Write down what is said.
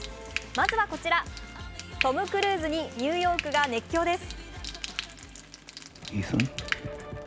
まずはこちら、トム・クルーズにニューヨークが熱狂です。